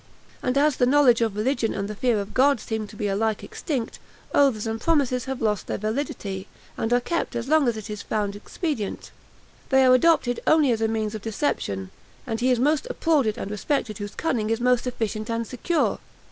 And as the knowledge of religion and the fear of God seem to be alike extinct, oaths and promises have lost their validity, and are kept as long as it is found expedient; they are adopted only as a means of deception, and he is most applauded and respected whose cunning is most efficient and secure.